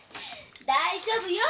大丈夫よ。